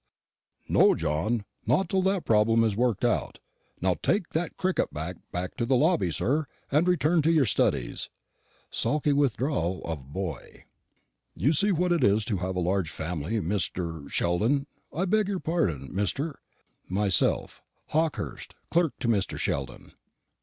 "_] No, John; not till that problem is worked out. Take that cricket bat back to the lobby, sir, and return to your studies. [Sulky withdrawal of boy.] You see what it is to have a large family, Mr. Sheldon. I beg pardon, Mr. Myself. Hawkehurst, clerk to Mr. Sheldon.